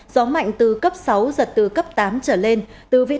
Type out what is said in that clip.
gió mạnh từ cấp sáu giật từ cấp tám trở lên khoảng một trăm hai mươi km tính từ tâm bão